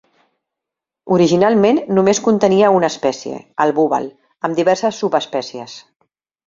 Originalment només contenia una espècie, el búbal, amb diverses subespècies.